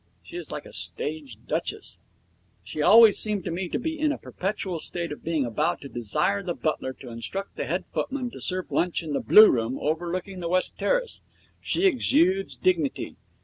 She is like a stage duchess. She always seems to me to be in a perpetual state of being about to desire the butler to instruct the head footman to serve lunch in the blue room overlooking the west terrace. She exudes dignity.